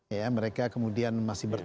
ya mereka kemudian masih bertahan